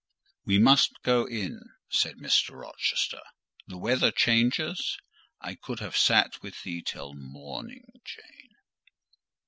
"We must go in," said Mr. Rochester: "the weather changes. I could have sat with thee till morning, Jane."